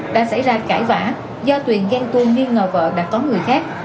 đã xảy ra cãi vã do tuyền ghen tuông nghi ngờ vợ đã có người khác